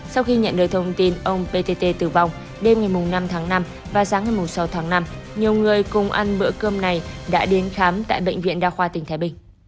sau khi nhận được thông tin ông ptt tử vong đêm ngày năm tháng năm và sáng ngày sáu tháng năm nhiều người cùng ăn bữa cơm này đã đến khám tại bệnh viện đa khoa tỉnh thái bình